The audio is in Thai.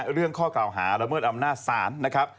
เรื่องข้อเก่าหาระเมิดอำนาจสารนะครับ